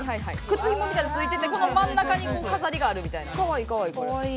靴ひもみたいのついててこの真ん中に飾りがあるみたいな。